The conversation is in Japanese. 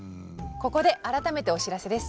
ここで改めてお知らせです。